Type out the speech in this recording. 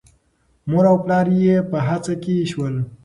مور او پلار یې په هڅه کې شول.